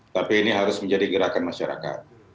tapi ini harus menjadi gerakan masyarakat